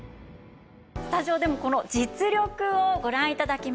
スタジオでもこの実力をご覧頂きましょう。